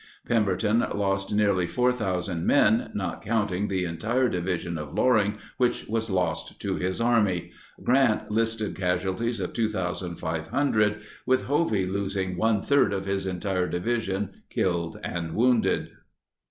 Pemberton lost nearly 4,000 men, not counting the entire division of Loring which was lost to his army. Grant listed casualties of 2,500, with Hovey losing one third of his entire division killed and wounded.